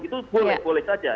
itu boleh boleh saja